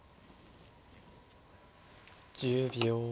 １０秒。